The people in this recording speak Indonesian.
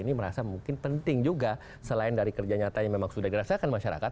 ini merasa mungkin penting juga selain dari kerja nyata yang memang sudah dirasakan masyarakat